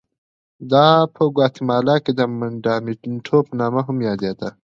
دا په ګواتیمالا کې د منډامینټو په نامه هم یادېده.